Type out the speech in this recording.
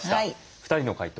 ２人の回答